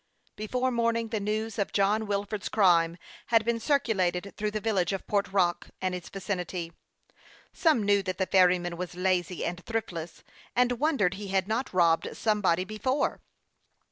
Before morning the news of John Wilford's crime had been circulated through the village of Port Rock and its vicinity. Some knew that the ferry man was lazy and thriftless, and wondered he had not robbed somebody before.